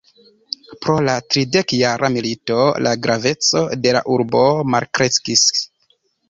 Pro la Tridekjara milito la graveco de la urbo malkreskis.